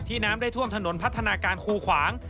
น้ำได้ท่วมถนนพัฒนาการคูขวาง